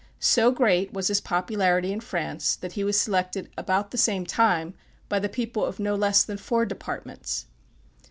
So great was his popularity in France that he was selected about the same time by the people of no less than four departments.